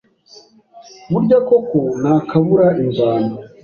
burya koko nta kabura imvano